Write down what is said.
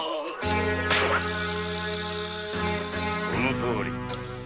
そのとおり。